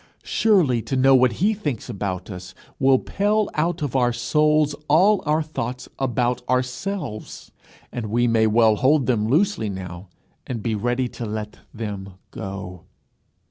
Surely to know what he thinks about us will pale out of our souls all our thoughts about ourselves! and we may well hold them loosely now, and be ready to let them go.